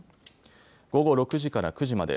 午後６時から９時まで。